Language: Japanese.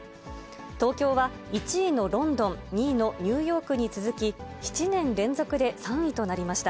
東京は１位のロンドン、２位のニューヨークに続き、７年連続で３位となりました。